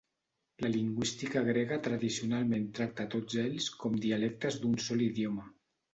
La lingüística grega tradicionalment tracta a tots ells com dialectes d'un sol idioma.